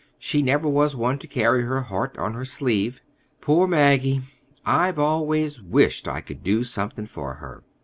She never was one to carry her heart on her sleeve. Poor Maggie! I've always so wished I could do something for her!